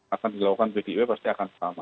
akan dilakukan pdip pasti akan sama